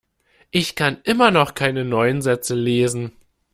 Ich kann immer noch keine neuen Sätze lesen.